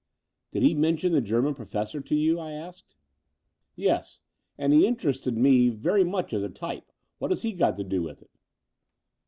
Did he mention the German professor to you?" I asked. "Yes: and he interested me very much as a tj^pe. What has he got to do with it?''